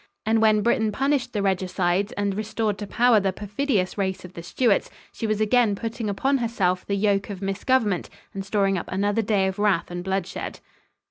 And when Britain punished the regicides and restored to power the perfidious race of the Stuarts, she was again putting upon herself the yoke of misgovernment and storing up another day of wrath and bloodshed.